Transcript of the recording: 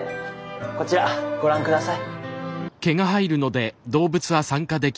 こちらご覧下さい。